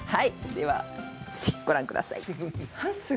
では、ご覧ください。